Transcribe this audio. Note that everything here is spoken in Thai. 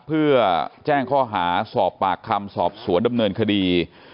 เพื่อแจ้งข้อหาสอบปากคำสอบสวนดำเนินคดี